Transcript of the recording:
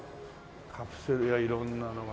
カプセルや色んなのが。